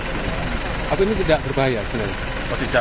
tapi ini tidak berbahaya sebenarnya